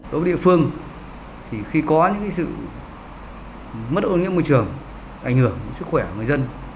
đối với địa phương thì khi có những sự mất ô nhiễm môi trường ảnh hưởng sức khỏe của người dân